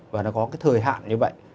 và nó có cái thời hạn như vậy